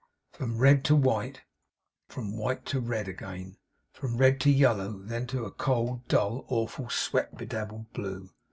From red to white; from white to red again; from red to yellow; then to a cold, dull, awful, sweat bedabbled blue.